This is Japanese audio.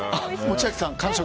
千秋さん、完食。